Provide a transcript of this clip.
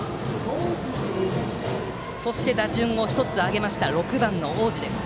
そして打順を１つ上げました６番の大路です。